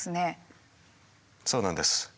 そうなんです。